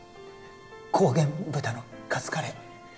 高原豚のカツカレー